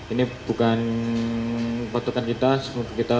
ini bukan patokan kita